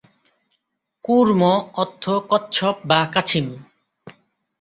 কূর্ম অর্থ কচ্ছপ বা কাছিম।